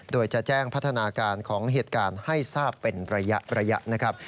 โดยจะแจ้งพัฒนาการของเหตุการณ์ให้ทราบเป็นระยะนะครับ